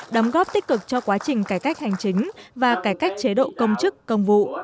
đóng góp tích cực cho quá trình cải cách hành chính và cải cách chế độ công chức công vụ